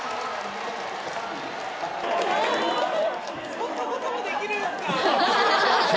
そんなこともできるんですか？